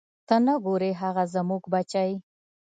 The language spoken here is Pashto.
ته نه ګورې هغه زموږ بچی.